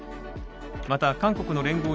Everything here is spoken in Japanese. また韓国の聯合